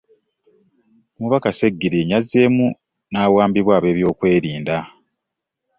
Omubaka Ssegirinnya azzeemu n'awambibwa ab'ebyokwerinda.